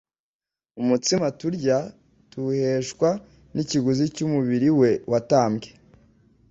Umutsima turya tuwuheshwa n'ikiguzi cy'umubiri we watambwe.